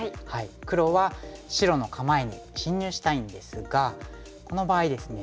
黒は白の構えに侵入したいんですがこの場合ですね